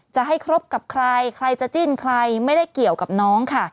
จะให้ครบกับใครใครจะจิ้นใครไม่ได้เกี่ยวกับน้องค่ะ